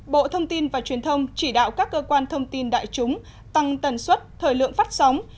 bộ thông tin và truyền thông chỉ đạo các cơ quan thông tin đại chúng tăng tần suất thời lượng phát sóng